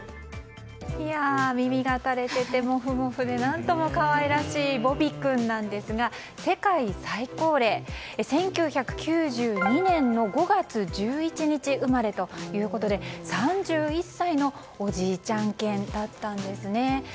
耳が垂れててモフモフで何とも可愛らしいボビ君ですが世界最高齢の１９９２年５月１１日生まれで３１歳のおじいちゃん犬だったんですね。